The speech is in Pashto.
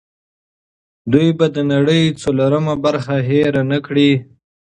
دوی به د نړۍ څلورمه برخه هېر نه کړي.